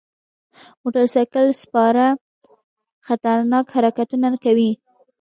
موټر سایکل سپاره خطرناک حرکتونه کوي.